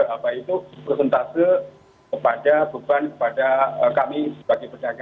apa itu persentase kepada beban kepada kami sebagai pedagang